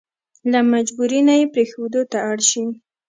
له مجبوري نه يې پرېښودو ته اړ شي.